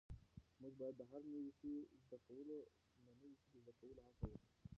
موږ باید د هر نوي سی د زده کولو هڅه وکړو.